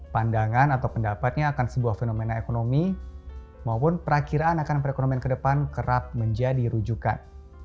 pandangan atau pendapatnya akan sebuah fenomena ekonomi maupun perakiraan akan perekonomian ke depan kerap menjadi rujukan